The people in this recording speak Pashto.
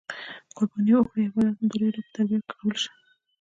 قربانې او کړی عبادات مو د لوی رب په دربار کی قبول شه.